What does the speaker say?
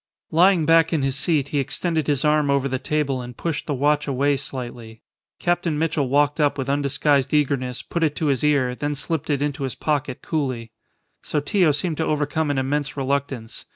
Lying back in his seat, he extended his arm over the table and pushed the watch away slightly. Captain Mitchell walked up with undisguised eagerness, put it to his ear, then slipped it into his pocket coolly. Sotillo seemed to overcome an immense reluctance.